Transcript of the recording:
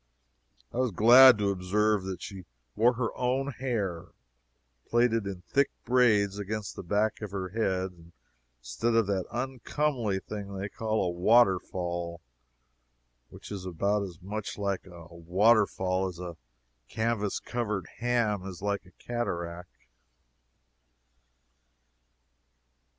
I was glad to observe that she wore her own hair, plaited in thick braids against the back of her head, instead of the uncomely thing they call a waterfall, which is about as much like a waterfall as a canvas covered ham is like a cataract.